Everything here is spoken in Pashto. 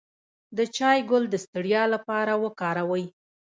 د چای ګل د ستړیا لپاره وکاروئ